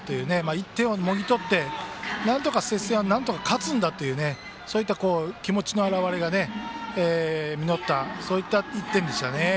１点をもぎ取って、なんとか接戦を勝つんだというそういった気持ちの表れが乗ったそういった１点でしたね。